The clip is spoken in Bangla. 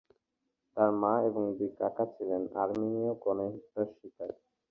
তার মা এবং দুই কাকা ছিলেন আর্মেনীয় গণহত্যার শিকার।